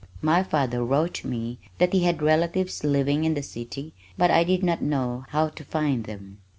My father wrote me that he had relatives living in the city but I did not know how to find them.